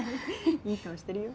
いい顔してるよ。